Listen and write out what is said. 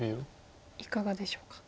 いかがでしょうか？